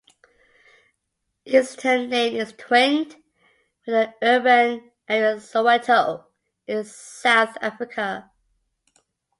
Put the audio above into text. Easington Lane is twinned with the urban area Soweto, in South Africa.